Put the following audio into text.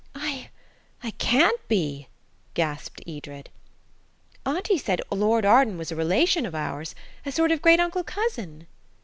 "I–I can't be," gasped Edred. "Auntie said Lord Arden was a relation of ours–a sort of great uncle–cousin."